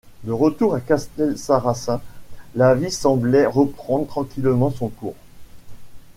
De retour à Castelsarrasin, la vie semblait reprendre tranquillement son cours.